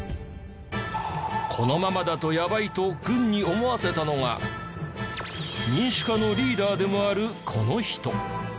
このままだとやばいと軍に思わせたのが民主化のリーダーでもあるこの人。